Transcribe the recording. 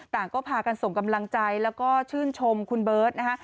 ต่างก็พากันส่งกำลังใจแล้วก็ชื่นชมคุณเบิร์ตนะคะ